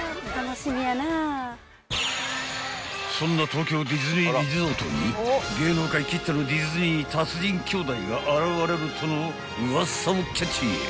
［そんな東京ディズニーリゾートに芸能界きってのディズニー達人兄弟が現れるとのウワサをキャッチ］